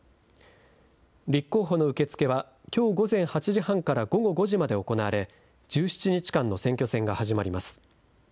立候補の受け付けは、きょう午前８時半から午後５時まで行われ、１７日間の選挙戦が始まります。